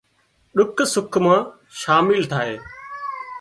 ۮُک سُک مان شامل ٿائي